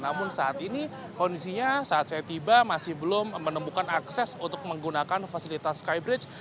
namun saat ini kondisinya saat saya tiba masih belum menemukan akses untuk menggunakan fasilitas skybridge